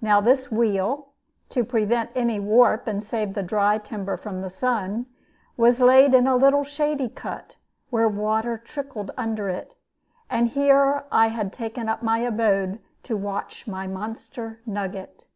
Now this wheel (to prevent any warp, and save the dry timber from the sun) was laid in a little shady cut, where water trickled under it. And here I had taken up my abode to watch my monster nugget.